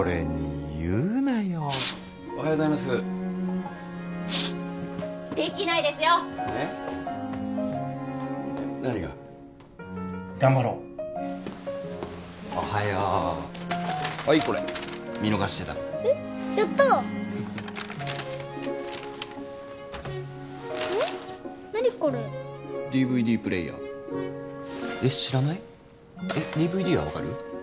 えっＤＶＤは分かる？